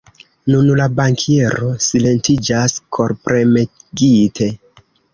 Nun la bankiero silentiĝas, korpremegite.